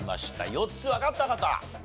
４つわかった方？